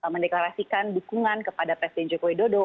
mendeklarasikan dukungan kepada presiden jokowi dodo